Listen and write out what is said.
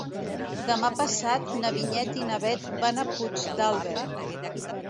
Demà passat na Vinyet i na Bet van a Puigdàlber.